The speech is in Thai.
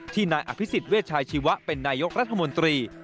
นายอภิษฎเวชาชีวะเป็นนายกรัฐมนตรี